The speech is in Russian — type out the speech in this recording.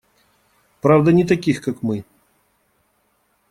Правда, не таких как мы.